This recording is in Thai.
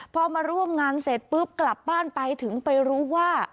พอมาร่วมงานเสร็จปุ๊บกลับบ้านไปถึงไปรู้ว่า